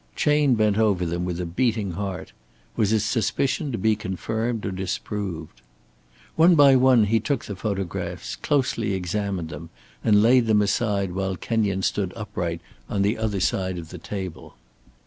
Chayne bent over them with a beating heart. Was his suspicion to be confirmed or disproved? One by one he took the photographs, closely examined them, and laid them aside while Kenyon stood upright on the other side of the table.